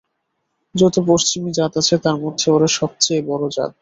যত পশ্চিমী জাত আছে তার মধ্যে ওরা সব-চেয়ে বড়ো জাত।